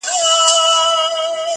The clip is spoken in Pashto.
o غمی ورک سو د سړي پر سترګو شپه سوه,